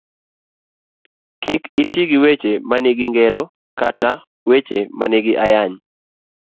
Kik iti gi weche manigi ngero kata weche manigi ayany.